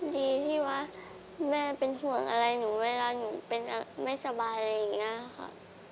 ดีที่ว่าแม่เป็นห่วงอะไรหนูเวลาหนูเป็นไม่สบายอะไรอย่างนี้ค่ะ